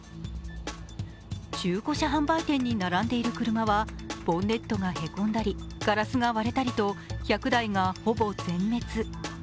中古車販売店に並んでいる車はボンネットがへこんだりガラスが割れたりと１００台がほぼ全滅。